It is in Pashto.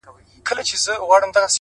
د حقیقت لاره وجدان آراموي.!